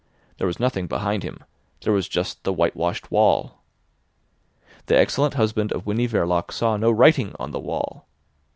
There was nothing behind him: there was just the whitewashed wall. The excellent husband of Winnie Verloc saw no writing on the wall.